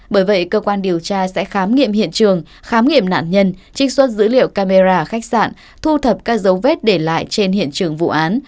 bởi vậy cơ quan điều tra sẽ khám nghiệm hiện trường khám nghiệm nạn nhân trích xuất dữ liệu camera khách sạn thu thập các dấu vết để lại trên hiện trường vụ án